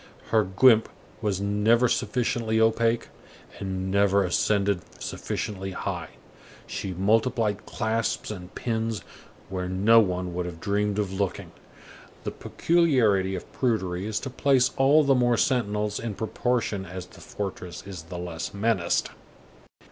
Her guimpe was never sufficiently opaque, and never ascended sufficiently high. She multiplied clasps and pins where no one would have dreamed of looking. The peculiarity of prudery is to place all the more sentinels in proportion as the fortress is the less menaced.